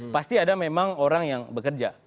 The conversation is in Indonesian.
pasti ada memang orang yang bekerja